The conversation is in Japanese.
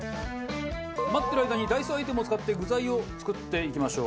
待ってる間にダイソーアイテムを使って具材を作っていきましょう。